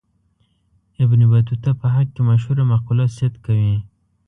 ابن بطوطه په حق کې مشهوره مقوله صدق کوي.